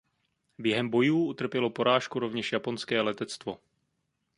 Během bojů utrpělo porážku rovněž japonské letectvo.